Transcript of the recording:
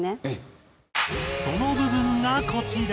その部分がこちら。